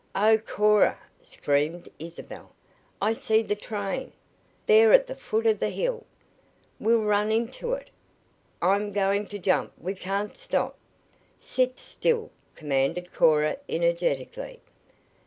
"Oh, Cora!" screamed Isabel. "I see the train! There at the foot of the hill! We'll run into it! I'm going to jump! We can't stop!" "Sit still!" commanded Cora energetically.